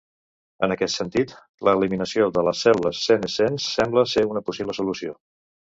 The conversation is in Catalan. En aquest sentit, l'eliminació de les cèl·lules senescents sembla ser una possible solució.